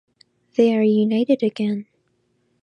They are united again.